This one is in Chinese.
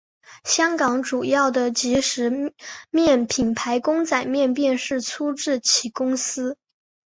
香港主要的即食面品牌公仔面便是出自其公司。